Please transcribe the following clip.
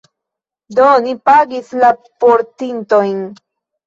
Do, ni pagis la portintojn.